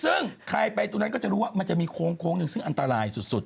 ซึ่งใครไปตรงนั้นก็จะรู้ว่ามันจะมีโค้งหนึ่งซึ่งอันตรายสุด